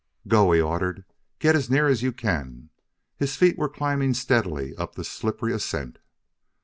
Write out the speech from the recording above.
"Go!" he ordered. "Get as near as you can!" His feet were climbing steadily up the slippery ascent.